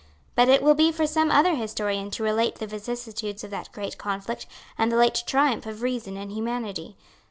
But it will be for some other historian to relate the vicissitudes of that great conflict, and the late triumph of reason and humanity.